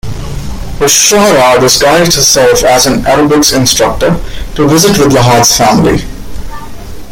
Bechara disguised herself as an aerobics instructor to visit with Lahad's family.